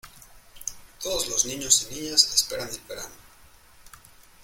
Todos los niños y niñas esperan el verano.